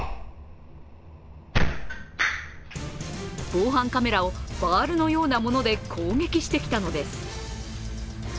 防犯カメラをバールのようなもので攻撃してきたのです。